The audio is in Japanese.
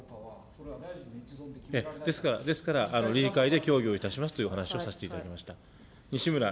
ですから、理事会で協議をいたしますというお話をさせていただきました。